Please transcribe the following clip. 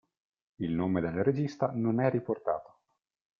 Il nome del regista non è riportato.